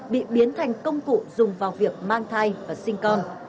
bị biến thành công cụ dùng vào việc mang thai và sinh con